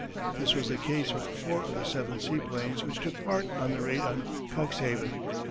This was the case with four of the seven seaplanes which took part in the raid on Cuxhaven.